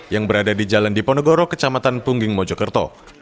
yang berada di jalan diponegoro kecamatan pungging mojokerto